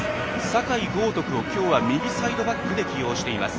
酒井高徳を今日は右サイドバックで起用しています。